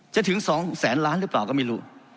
ถึง๒แสนล้านหรือเปล่าก็ไม่รู้